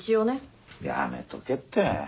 やめとけって。